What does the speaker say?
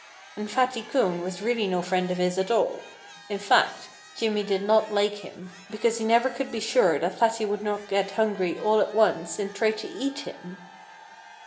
And Fatty Coon was really no friend of his at all. In fact, Jimmy did not like him, because he never could feel sure that Fatty would not get hungry all at once and try to eat him.